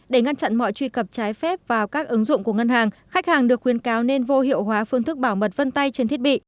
để ngăn chặn mọi truy cập trái phép vào các ứng dụng của ngân hàng khách hàng được khuyên cáo nên vô hiệu hóa phương thức bảo mật vân tay trên thiết bị